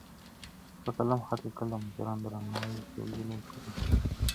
په قلم خط لیکل د مشرانو د درناوي ښودلو وسیله ده.